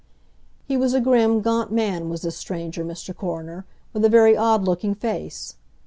"He was a grim, gaunt man, was this stranger, Mr. Coroner, with a very odd looking face.